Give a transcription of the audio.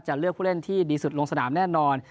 เลือกผู้เล่นที่ดีสุดลงสนามแน่นอน